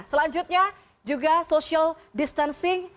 selanjutnya juga social distancing